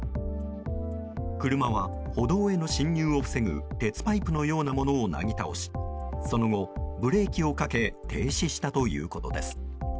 車は歩道への進入を防ぐ鉄パイプのようなものをなぎ倒しその後、ブレーキをかけ停止したということです。